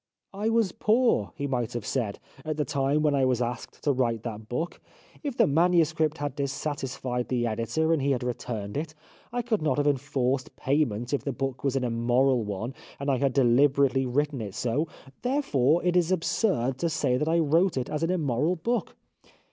" I was poor," he might have said, " at the time when I was asked to write that book. If the manuscript u 305 The Life of Oscar Wilde had dissatisfied the editor and he had returned it I could not have enforced payment if the book was an immoral one and I had deliberately written it so. Therefore it is absurd to say that I wrote it as an immoral book."